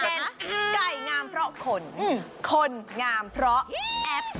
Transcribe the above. แท์กล้ายงามเพราะคนคนงามเพราะแอ๊บ